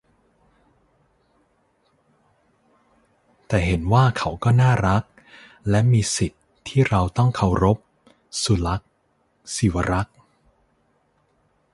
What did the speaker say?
แต่เห็นว่าเขาก็น่ารักและมีสิทธิ์ที่เราต้องเคารพ-สุลักษณ์ ศิวรักษ์